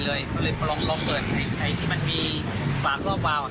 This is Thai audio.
ก็เลยลองเปิดในที่มันมีฝาวเลือกวาว